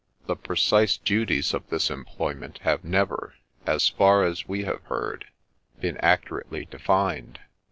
The precise duties of this employment have never, as far as we have heard, been accurately denned.